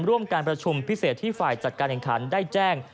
ร่วมการประชุมพิเศษที่ฝ่ายจัดการแข่งขันได้แจ้ง